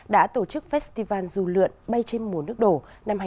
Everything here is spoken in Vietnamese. đã tổ chức festival dù lượn bay trên mùa nước đổ năm hai nghìn hai mươi